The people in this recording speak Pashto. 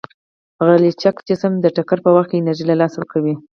غیرلچک جسم د ټکر په وخت کې انرژي له لاسه ورکوي.